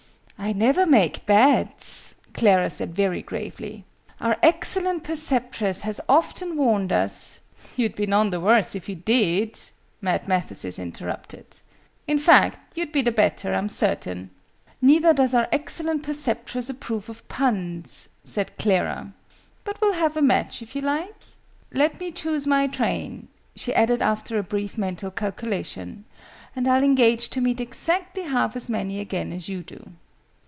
"I never make bets," Clara said very gravely. "Our excellent preceptress has often warned us " "You'd be none the worse if you did!" Mad Mathesis interrupted. "In fact, you'd be the better, I'm certain!" "Neither does our excellent preceptress approve of puns," said Clara. "But we'll have a match, if you like. Let me choose my train," she added after a brief mental calculation, "and I'll engage to meet exactly half as many again as you do."